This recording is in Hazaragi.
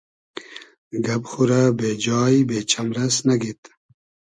گئب خورۂ بې جای , بې چئمرئس نئگید